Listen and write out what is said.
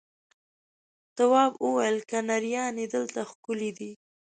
تواب وويل: کنریانې دلته ښکلې دي.